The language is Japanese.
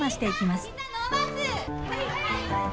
はい！